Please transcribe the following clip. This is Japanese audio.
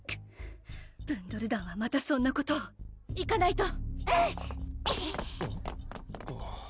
ブンドル団はまたそんなことを行かないと！